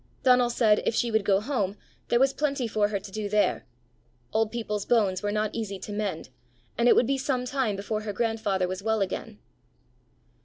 Donal said if she would go home, there was plenty for her to do there; old people's bones were not easy to mend, and it would be some time before her grandfather was well again!